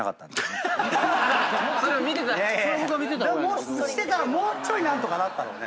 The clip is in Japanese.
それを見てた⁉してたらもうちょい何とかなったろうね。